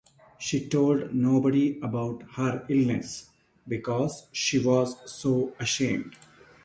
She told nobody about her illness, because she was so ashamed.